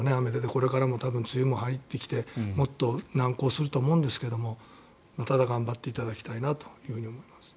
これからも多分梅雨も入ってきてもっと難航すると思うんですがただ頑張っていただきたいなと思います。